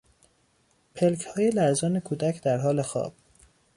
پلکهای لرزان کودک در حال خواب